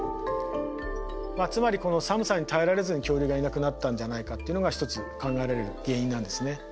つまりこの寒さに耐えられずに恐竜がいなくなったんじゃないかっていうのが一つ考えられる原因なんですね。